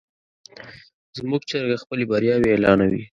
زموږ چرګه خپلې بریاوې اعلانوي.